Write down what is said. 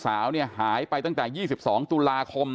จนกระทั่งหลานชายที่ชื่อสิทธิชัยมั่นคงอายุ๒๙เนี่ยรู้ว่าแม่กลับบ้าน